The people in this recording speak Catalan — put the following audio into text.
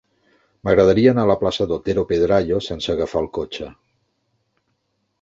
M'agradaria anar a la plaça d'Otero Pedrayo sense agafar el cotxe.